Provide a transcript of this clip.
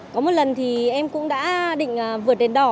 có một lần thì em cũng đã định vượt đèn đỏ